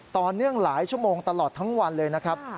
ต่อเนื่องหลายชั่วโมงตลอดทั้งวันเลยนะครับ